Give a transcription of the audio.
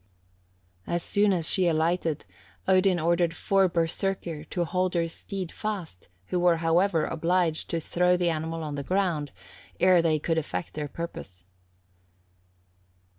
As soon as she alighted, Odin ordered four Berserkir to hold her steed fast, who were, however, obliged to throw the animal on the ground ere they could effect their purpose.